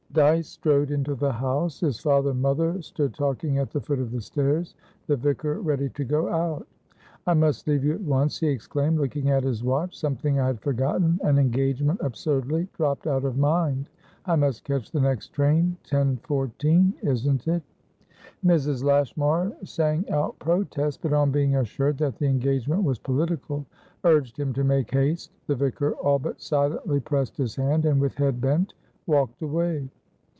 Dyce strode into the house. His father and mother stood talking at the foot of the stairs, the vicar ready to go out. "I must leave you at once," he exclaimed, looking at his watch. "Something I had forgottenan engagement absurdly dropt out of mind. I must catch the next train10.14, isn't it?" Mrs. Lashmar sang out protest, but, on being assured that the engagement was political, urged him to make haste. The vicar all but silently pressed his hand, and with head bent, walked away.